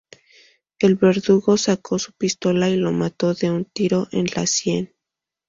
El verdugo sacó su pistola y lo mató de un tiro en la sien.